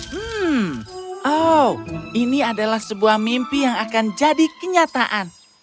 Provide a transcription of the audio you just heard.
hmm oh ini adalah sebuah mimpi yang akan jadi kenyataan